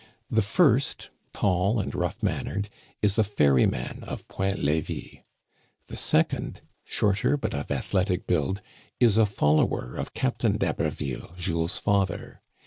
The first, tall and rough mannered, is a ferryman of Point Levis. The second, shorter, but of athletic build, is a follower of Captain d'Haberville, Jules's father.